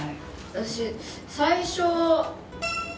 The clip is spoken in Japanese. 私、最初。